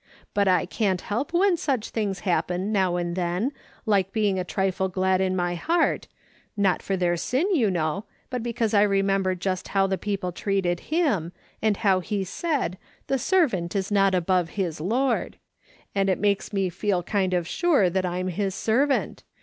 But I can't help when such things happen, now and then, like being a trifle glad in my heart — not for their sin, you know, but because I remember just how the people treated him, and how he said ' the servant is not above his lord,' and it makes me feel kind of sure that I'm his servant.